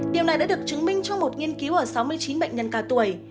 điều này đã được chứng minh cho một nghiên cứu ở sáu mươi chín bệnh nhân cao tuổi